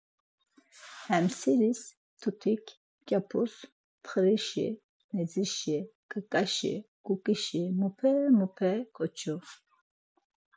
Hem seris mtutik mǩyapuz, ntxirişi, nedzişi, ǩaǩaşi, ǩuǩuşi, mupe mupe koçu.